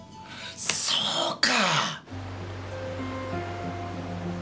そうか！